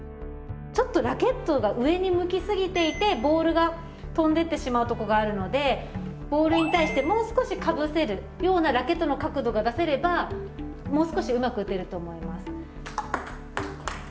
ちょっとラケットが上に向き過ぎていてボールが飛んでってしまうとこがあるのでボールに対してもう少しかぶせるようなラケットの角度が出せればもう少しうまく打てると思います。